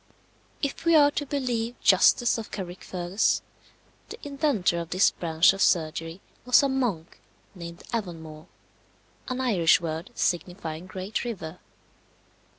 If we are to believe Justus of Carrickfergus, the inventor of this branch of surgery was a monk named Avonmore an Irish word signifying Great River.